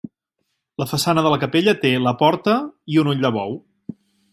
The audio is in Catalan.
La façana de la capella té la porta i un ull de bou.